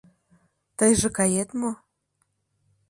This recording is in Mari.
Тыйже кает мо?